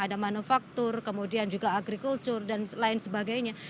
ada manufaktur kemudian juga agrikultur dan lain sebagainya